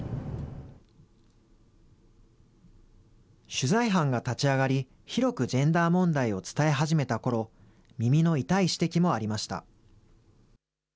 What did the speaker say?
取材班が立ち上がり、広くジェンダー問題を伝え始めたころ、耳の痛い指摘もありました。